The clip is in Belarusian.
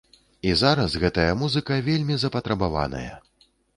І зараз гэтая музыка вельмі запатрабаваная.